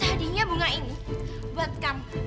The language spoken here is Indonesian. tadinya bunga ini buat kamu